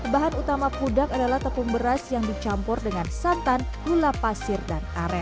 bahan utama pudak adalah tepung beras yang dicampur dengan santan gula pasir dan aren